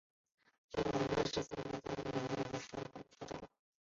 鹬虻科是分类在短角亚目下的虻下目中。